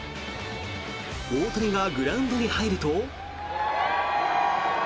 大谷がグラウンドに入ると。